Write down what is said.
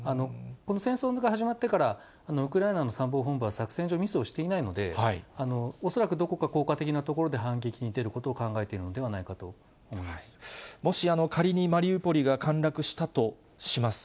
戦争が始まってから、ウクライナの参謀本部は、作戦上、ミスをしていないので、恐らくどこか効果的な所で反撃に出ることを考えているのではないもし、仮にマリウポリが陥落したとします。